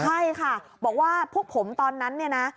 ใช่ค่ะบอกว่าพวกผมตอนนั้นเนี่ยนะ